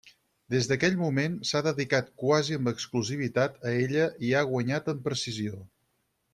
Des d'aquell moment s'ha dedicat quasi amb exclusivitat a ella i ha guanyat en precisió.